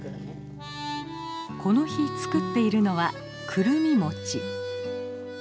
この日作っているのはくるみ餅。